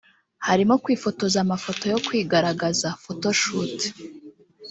harimo kwifotoza amafoto yo kwigaragaza (photoshoot)